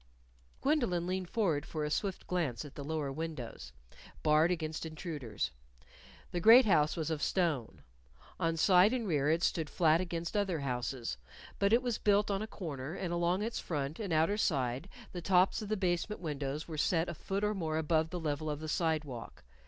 Gwendolyn leaned forward for a swift glance at the lower windows, barred against intruders. The great house was of stone. On side and rear it stood flat against other houses. But it was built on a corner; and along its front and outer side, the tops of the basement windows were set a foot or more above the level of the sidewalk.